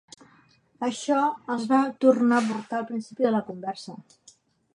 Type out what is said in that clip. Això els va tornar a portar al principi de la conversa.